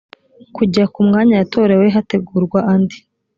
kujya ku mwanya yatorewe hategurwa andi